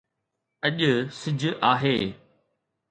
اڄ سج آهي